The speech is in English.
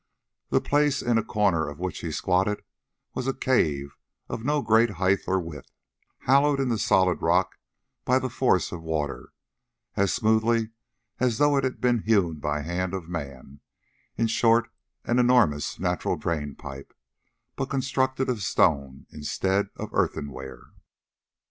The place in a corner of which he squatted was a cave of no great height or width, hollowed in the solid rock by the force of water, as smoothly as though it had been hewn by the hand of man: in short, an enormous natural drain pipe, but constructed of stone instead of earthenware.